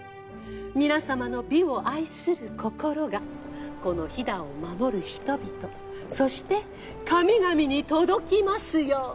皆さまの美を愛する心がこの飛騨を守る人々そして神々に届きますよう。